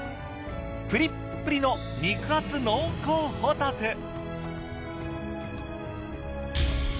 プリップリの肉厚濃厚ホタテ。